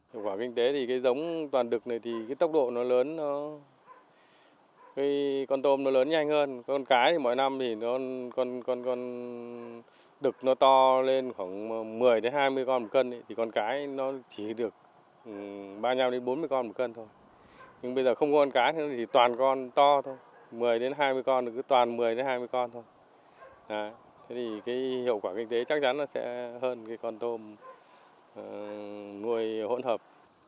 hiệu quả kinh tế chắc chắn là sẽ hơn cái con tôm nuôi hỗn hợp